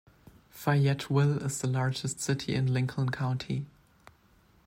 Fayetteville is the largest city in Lincoln County.